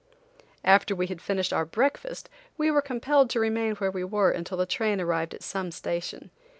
After we had finished our breakfast we were compelled to remain where we were until the train arrived at some station.